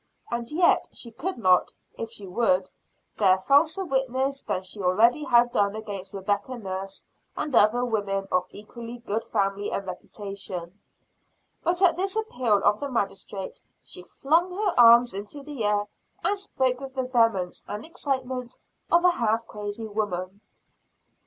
And yet she could not, if she would, bear falser witness than she already had done against Rebecca Nurse and other women of equally good family and reputation. But at this appeal of the Magistrate, she flung her arms into the air, and spoke with the vehemence and excitement of a half crazy woman.